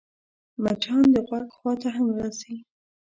مچان د غوږ خوا ته هم راځي